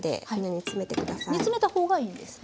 煮詰めたほうがいいんですね。